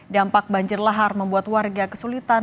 dampak banjir lahar membuat warga kesulitan